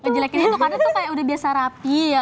menjelekin itu karena tuh kayak udah biasa rapi ya